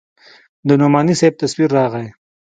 د نعماني صاحب تصوير راغى.